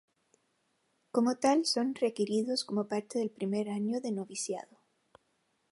Como tal, son requeridos como parte del primer año de noviciado.